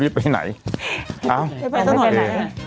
ไม่ได้ไปไหนไปหนอยไหนอ่ะ